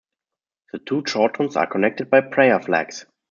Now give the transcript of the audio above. The two chortens are connected by prayer flags.